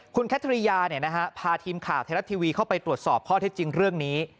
คุณแคทริยาพาทีมข่าวไทยรัฐทีวีเข้าไปตรวจสอบข้อเท็จจริงเรื่องนี้